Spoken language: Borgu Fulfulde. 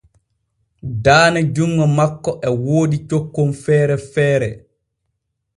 Daane junŋo makko e woodi cokkon feere feere.